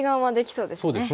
そうですね。